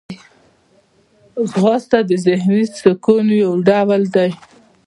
ځغاسته د ذهني سکون یو ډول دی